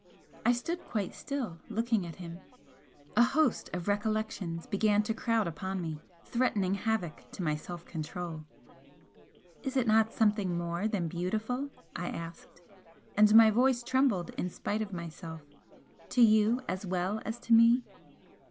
I stood quite still, looking at him. A host of recollections began to crowd upon me, threatening havoc to my self control. "Is it not something more than beautiful?" I asked, and my voice trembled in spite of myself "To you as well as to me?"